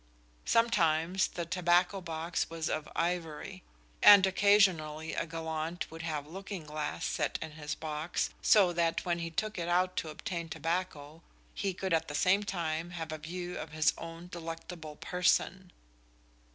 Sometimes the tobacco box was of ivory; and occasionally a gallant would have looking glass set in his box, so that when he took it out to obtain tobacco, he could at the same time have a view of his own delectable person.